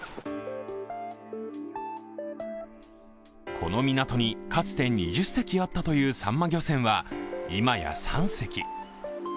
この港にかつて２０隻あったというさんま漁船は、今や３隻。